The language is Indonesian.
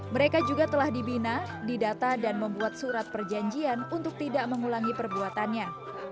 mereka juga telah dibina didata dan membuat surat perjanjian untuk tidak mengulangi perbuatannya